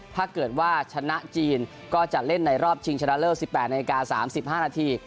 ถ้าเกิดว่าชนะจีนก็จะเล่นในรอบชิงชนะเลิศ๑๘นาที๓๕นาที